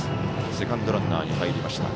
セカンドランナーに入りました。